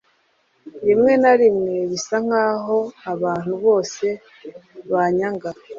Rimwe na rimwe bisa nkaho abantu bose banyanga.